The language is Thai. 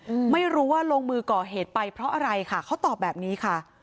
อืมไม่รู้ว่าลงมือก่อเหตุไปเพราะอะไรค่ะเขาตอบแบบนี้ค่ะ